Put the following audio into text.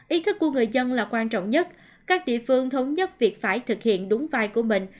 ý thức của người dân là quan trọng nhất các địa phương thống nhất việc phải thực hiện đúng vai của mình